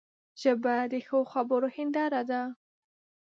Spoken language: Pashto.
ژبه د ښو خبرو هنداره ده